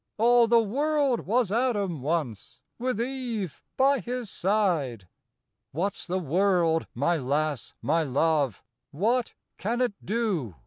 All the world was Adam once with Eve by his side. What's the world, my lass, my love !— what can it do